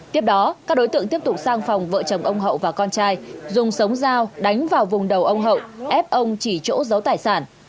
tiếp đó các đối tượng tiếp tục sang phòng vợ chồng ông hậu và con trai dùng sống dao đánh vào vùng đầu ông hậu ép ông chỉ chỗ giấu tài sản